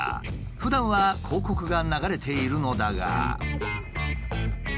ふだんは広告が流れているのだが。